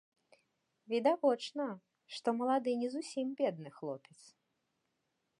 Відавочна, што малады не зусім бедны хлопец.